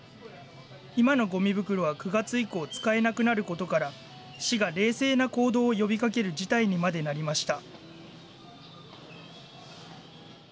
今のごみ袋は９月以降使えなくなることから、市が冷静な行動を呼びかける事態にまでなりました。